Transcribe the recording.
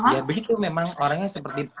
ya begitu memang orangnya seperti